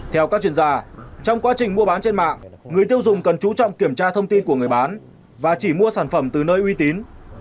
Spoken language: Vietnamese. theo các chuyên gia trong quá trình mua bán trên mạng người tiêu dùng cần chú trọng kiểm tra thông tin của người bán và chỉ mua sản phẩm từ nơi uy tín